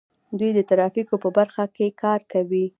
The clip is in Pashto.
دوی د ترافیکو په برخه کې کار کوي.